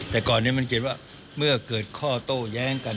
แต่ก่อนนี้มันเขียนว่าเมื่อเกิดข้อโต้แย้งกัน